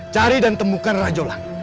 cari dan temukan rajulangit